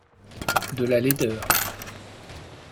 De la laideur.